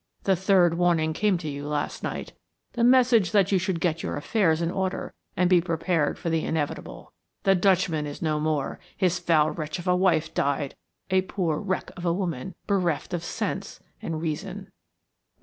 The third warning came to you last night, the message that you should get your affairs in order and be prepared for the inevitable. The Dutchman is no more, his foul wretch of a wife died, a poor wreck of a woman, bereft of sense and reason."